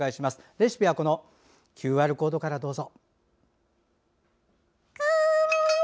レシピはＱＲコードからどうぞ。